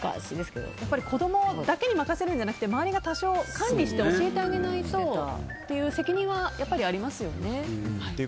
子供だけに任せるんじゃなくて周りが多少管理して教えてあげないとという責任はやっぱりありますよね。